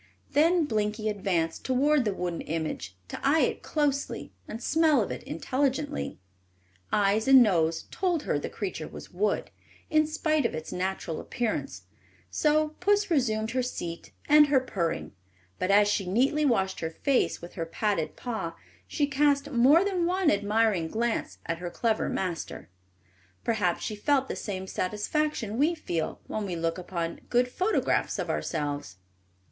Then Blinkie advanced toward the wooden image to eye it closely and smell of it intelligently: Eyes and nose told her the creature was wood, in spite of its natural appearance; so puss resumed her seat and her purring, but as she neatly washed her face with her padded paw she cast more than one admiring glance at her clever master. Perhaps she felt the same satisfaction we feel when we look upon good photographs of ourselves.